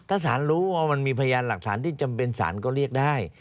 ถ้าสารรู้ว่ามันมีพยานหลักฐานที่จำเป็นสารก็เรียกได้